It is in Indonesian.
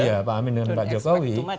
iya pak amin dengan pak jokowi